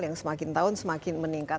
yang semakin tahun semakin meningkat